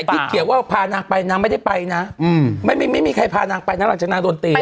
ไม่แต่ที่เกียรติว่าพานางไปนางไม่ได้ไปนะอืมไม่มีไม่มีใครพานางไปนะหลังจากนางโดนตีอ่ะ